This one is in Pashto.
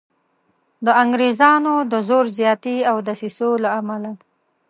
د انګریزانو د زور زیاتي او دسیسو له امله.